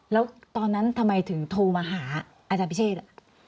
แล้วตอนนั้นทำไมถึงโทรมาหาอาจารย์พิเชษ